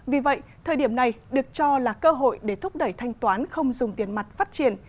vì vậy thời điểm này được cho là cơ hội để thúc đẩy thanh toán không dùng tiền mặt phát triển